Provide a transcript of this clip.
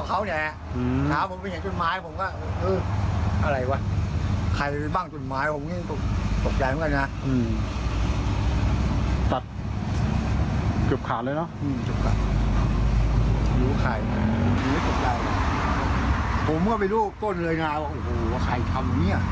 คนมีเงินไว้ผมก็ถูกไหวอยู่อ๋อถูกไหววันที่ผ่านมานี่ค่ะ